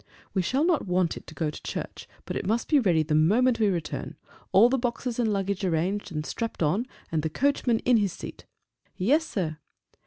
"We shall not want it to go to church; but it must be ready the moment we return all the boxes and luggage arranged and strapped on, and the coachman in his seat." "Yes, sir."